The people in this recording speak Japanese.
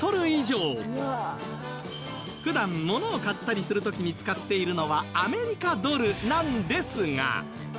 普段ものを買ったりする時に使っているのはアメリカドルなんですが